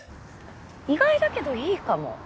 意外だけどいいかも。